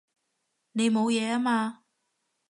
你冇嘢啊嘛？